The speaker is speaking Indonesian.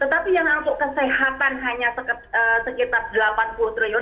tetapi yang untuk kesehatan hanya sekitar delapan puluh triliun